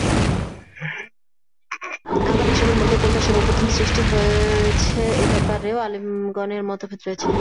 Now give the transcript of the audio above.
আবার এসবের মধ্যে কোনটা সর্বপ্রথম সৃষ্টি করা হয়েছে এ ব্যাপারেও আলিমগণের মতভেদ রয়েছে।